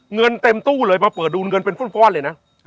เงินเต็มตู้เลยมาเปิดดูเงินเป็นฟ่อนเลยนะ